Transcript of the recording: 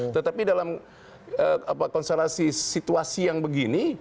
tetapi dalam konstelasi situasi yang begini